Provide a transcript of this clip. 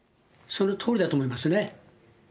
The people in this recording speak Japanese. そのとおりだと思いますね。